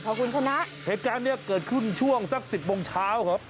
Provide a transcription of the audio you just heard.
เพราะคุณชนะเพศกรรมเนี้ยเกิดขึ้นช่วงสักสิบโมงเช้าครับ